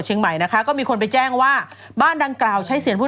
เชียงใหม่นะคะก็มีคนไปแจ้งว่าบ้านดังกล่าวใช้เสียงพูด